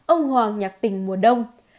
ông hoàng nhạc tình mùa đông